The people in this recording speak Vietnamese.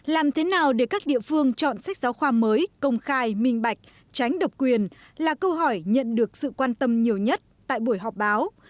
làm thế nào để các địa phương chọn sách giáo khoa mới công khai minh bạch tránh độc quyền là câu hỏi nhận được sự quan tâm nhiều nhất tại buổi họp báo